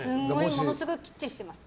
ものすごいきっちりしてます。